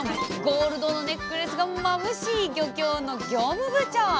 ゴールドのネックレスがまぶしい漁協の業務部長！